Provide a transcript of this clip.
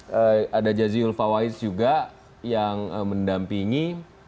dan ada jazzy ulfawais juga yang mendampingi